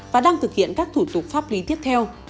và đang thực hiện các thủ tục pháp lý tiếp theo